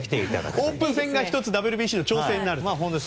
オープン戦が１つＷＢＣの調整になると。